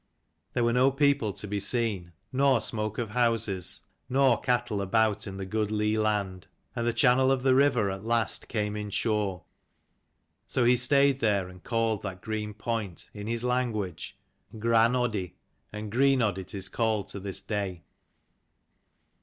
There were no people to be seen, nor smoke of houses, nor cattle about in the good lea land. And the channel of the river at last came in shore. So he stayed there, and called that green point in his language Gran Oddi, and Greenodd it is called to this day.